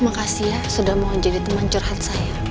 makasih ya sudah mau jadi teman curhat saya